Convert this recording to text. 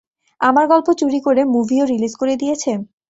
আমার গল্প চুরি করে মুভিও রিলিজ করে দিয়েছে?